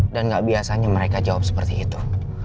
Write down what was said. dan gak biasanya mereka jawab seperti itu